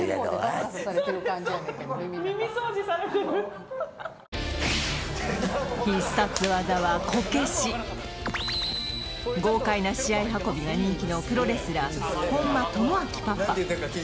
耳掃除されてる豪快な試合運びが人気のプロレスラー本間朋晃パパ